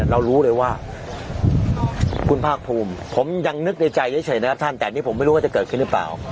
รู้เลยว่าคุณภาคภูมิผมยังนึกในใจเฉยนะครับท่านแต่อันนี้ผมไม่รู้ว่าจะเกิดขึ้นหรือเปล่า